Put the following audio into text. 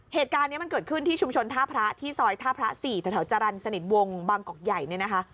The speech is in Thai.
เหตุการณ์นี้มันเกิดขึ้นที่ชุมชนท่าพระที่ซอยท่าพระ๔แถวจรรย์สนิทวงบางกอกใหญ่เนี่ยนะคะ